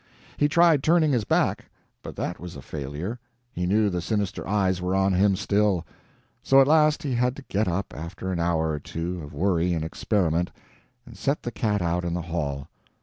He tried turning his back, but that was a failure; he knew the sinister eyes were on him still. So at last he had to get up, after an hour or two of worry and experiment, and set the cat out in the hall.